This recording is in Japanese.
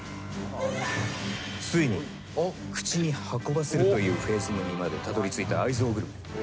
ついに口に運ばせるというフェーズにまでたどりついた愛憎グルメ。